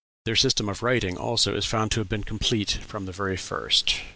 Their system of writing, also, is found to have been complete from the very first....